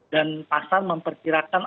dan pasar memperkirakan